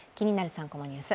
３コマニュース」